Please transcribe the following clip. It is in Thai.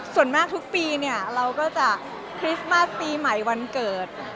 ส่วนมากทุกปีเนี่ยเราก็จะคริสต์มาสปีใหม่วันเกิด